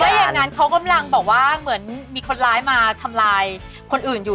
อย่างนั้นเขากำลังบอกว่าเหมือนมีคนร้ายมาทำลายคนอื่นอยู่